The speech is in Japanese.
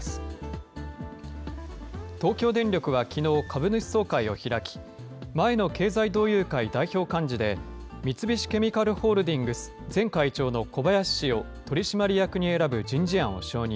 東京電力はきのう、株主総会を開き、前の経済同友会代表幹事で、三菱ケミカルホールディングス前会長の小林氏を取締役に選ぶ人事案を承認。